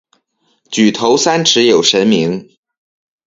举头三尺有神明。